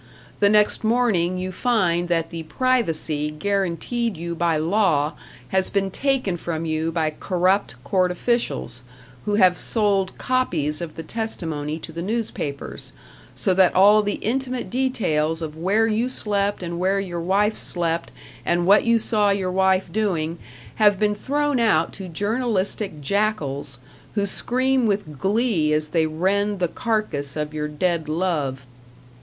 The next morning you find that the privacy guaranteed you by law has been taken from you by corrupt court officials, who have sold copies of the testimony to the newspapers, so that all the intimate details of where you slept and where your wife slept and what you saw your wife doing have been thrown out to journalistic jackals, who scream with glee as they rend the carcass of your dead love.